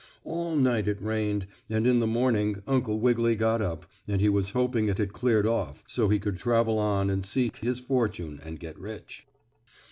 All night it rained, and in the morning Uncle Wiggily got up, and he was hoping it had cleared off, so he could travel on and seek his fortune, and get rich.